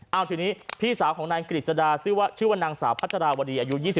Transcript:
เอาทีนี้พี่สาวของนายกฤษดาชื่อว่านางสาวพัฒนาวดีอายุ๒๒